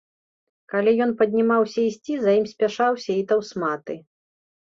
Калі ён паднімаўся ісці, за ім спяшаўся і таўсматы.